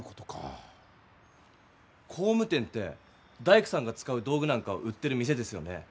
工務店って大工さんが使う道具なんかを売ってる店ですよね。